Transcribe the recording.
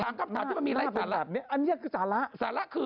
อันนี้คือสาระ